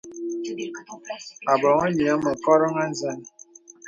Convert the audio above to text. Ō boŋhi nīəŋ mə koròŋ à nzàl.